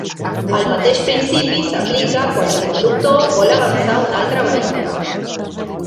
El mateix principi s’aplica quan el conductor vol avançar un altre vehicle.